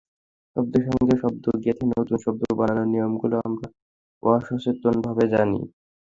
শব্দের সঙ্গে শব্দ গেঁথে নতুন শব্দ বানানোর নিয়মগুলো আমরা অসচেতনভাবে জানি।